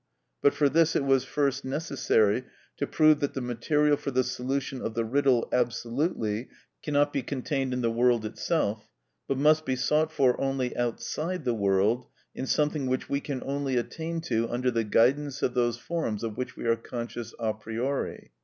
But for this it was first necessary to prove that the material for the solution of the riddle absolutely cannot be contained in the world itself, but must be sought for only outside the world in something we can only attain to under the guidance of those forms of which we are conscious a priori.